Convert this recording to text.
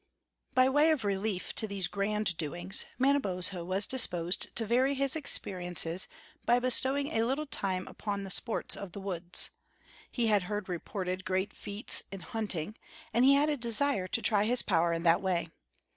By way of relief to these grand doings, Manabozho was disposed to vary his experiences by bestowing a little time upon the sports of the woods. He had heard reported great feats in hunting, and he had a desire to try his power in that way.